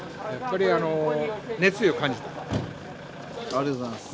ありがとうございます。